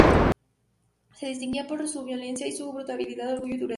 Se distinguía por su violencia y su brutalidad, orgullo y dureza.